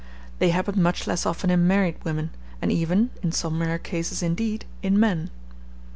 They happen much less often in married women; and even (in some rare cases indeed) in men.